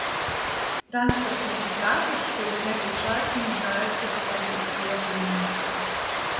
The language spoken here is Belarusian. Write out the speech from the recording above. Транспартнікі кажуць, што ў гэты час зніжаюцца пасажырскія плыні.